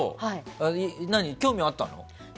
興味はあったの？